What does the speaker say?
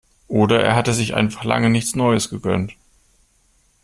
Oder er hatte sich einfach lange nichts Neues gegönnt.